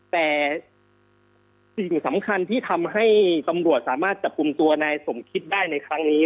แต่สิ่งสำคัญที่ทำให้ตำรวจสามารถจับกลุ่มตัวนายสมคิดได้ในครั้งนี้